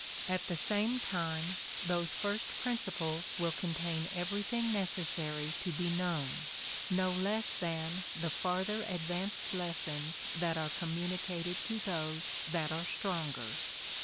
At the same time, those first principles will contain everything necessary to be known, no less than the farther advanced lessons that are communicated to those that are stronger.